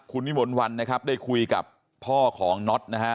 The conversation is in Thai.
คุณวิมลวันนะครับได้คุยกับพ่อของน็อตนะฮะ